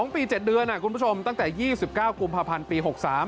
๒ปี๗เดือนคุณผู้ชมตั้งแต่๒๙กุมภาพันธ์ปี๖๓